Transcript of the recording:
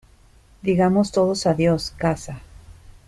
Digamos todos adiós, casa.